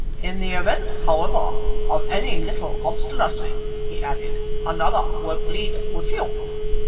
"In the event, however, of any little obstinancy," he added, "another will plead with you."